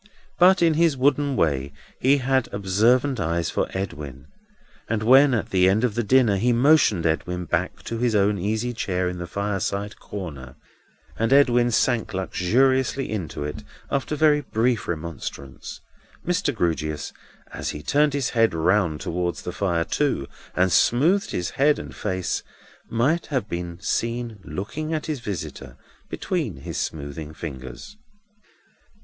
But, in his wooden way, he had observant eyes for Edwin; and when at the end of dinner, he motioned Edwin back to his own easy chair in the fireside corner, and Edwin sank luxuriously into it after very brief remonstrance, Mr. Grewgious, as he turned his seat round towards the fire too, and smoothed his head and face, might have been seen looking at his visitor between his smoothing fingers.